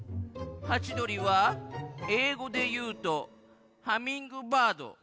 ハチドリはえいごでいうとハミングバード。